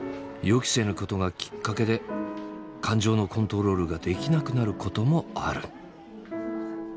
予期せぬことがきっかけで感情のコントロールができなくなることもある。